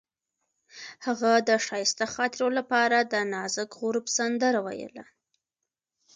هغې د ښایسته خاطرو لپاره د نازک غروب سندره ویله.